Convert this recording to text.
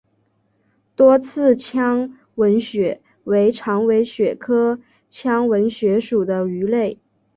多刺腔吻鳕为长尾鳕科腔吻鳕属的鱼类。